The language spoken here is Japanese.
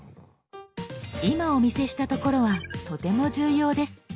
今お見せしたところはとても重要です。